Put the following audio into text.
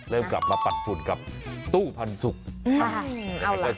เริ่มกลับมาปัดฝุ่นกับตู้ปันสุกเอ้าล่ะ